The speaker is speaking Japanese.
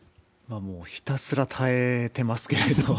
もうひたすら耐えてますけれども。